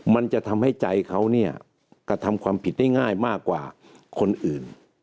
มันจะทำให้ใจเขาเนี่ยกระทำความผิดได้ง่ายมากกว่าคนอื่น